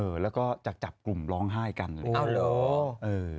เออแล้วก็จักจับกลุ่มร้องไห้กันอะไรอย่างเงี้ยอ๋อเหรอเออ